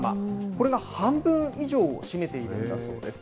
これが半分以上を占めているんだそうです。